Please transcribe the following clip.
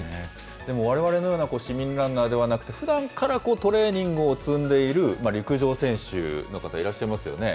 でもわれわれのような市民ランナーではなくて、ふだんからトレーニングを積んでいる陸上選手の方、いらっしゃいますよね。